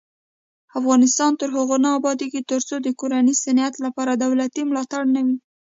افغانستان تر هغو نه ابادیږي، ترڅو د کورني صنعت لپاره دولتي ملاتړ نه وي.